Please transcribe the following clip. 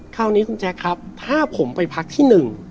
คราวนี้คุณแจ๊คครับถ้าผมไปพักที่หนึ่ง